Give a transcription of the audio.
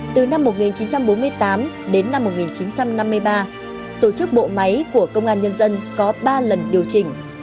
từ năm một nghìn chín trăm bốn mươi tám đến năm một nghìn chín trăm năm mươi ba tổ chức bộ máy của công an nhân dân có ba lần điều chỉnh